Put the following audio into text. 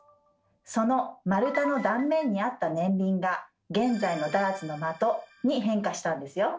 その丸太の断面にあった年輪が現在のダーツのまとに変化したんですよ。